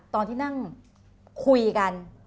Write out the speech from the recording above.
ตอนที่นั่งคุยกัน